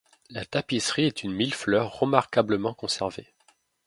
La tapisserie est une mille-fleurs remarquablement conservée.